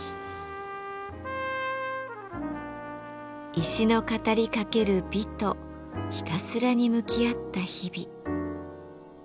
石の語りかける「美」とひたすらに向き合った日々。